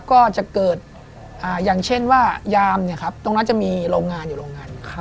ก็จะเกิดอย่างเช่นว่ายามเนี่ยครับตรงนั้นจะมีโรงงานอยู่โรงงาน